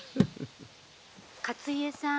「勝家さん